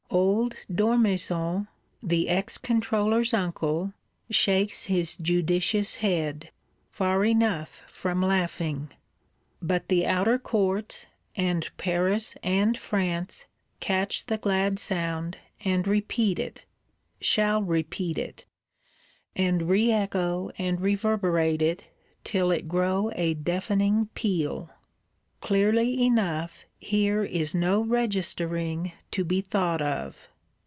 Old D'Ormesson (the Ex Controller's uncle) shakes his judicious head; far enough from laughing. But the outer courts, and Paris and France, catch the glad sound, and repeat it; shall repeat it, and re echo and reverberate it, till it grow a deafening peal. Clearly enough here is no registering to be thought of.